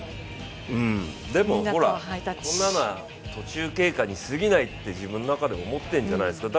でも、こんなのは途中経過にすぎないって自分の中で思ってるんじゃないですか。